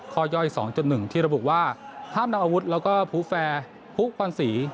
ย่อย๒๑ที่ระบุว่าห้ามนำอาวุธแล้วก็ภูแฟร์ผู้พันธ์ศรี